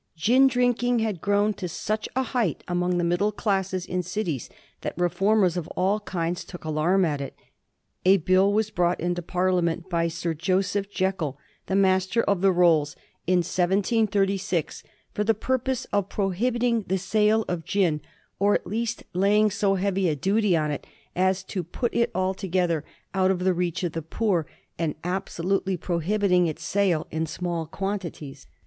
Gin drinking had grown to such a height among the middle classes in cities that reformers of all kinds took alarm at it. A Bill was brought into Parliament by Sir Joseph Jekyll, the Master of the Rolls, in 1736, for the purpose of prohibiting the sale of gin, or at least lay ing so heavy a duty on it as to put it altogether out of 1786. THE GIN RIOTS. 67 the reach of the poor, and absolutely prohibiting its sale in small quantities.